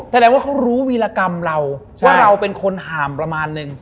แสดงว่าเขารู้วีรกรรมเราว่าเราเป็นคนห่ามประมาณนึง